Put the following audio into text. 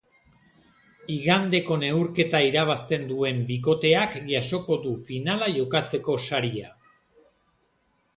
Igandeko neurketa irabazten duen bikoteak jasoko du finala jokatzeko saria.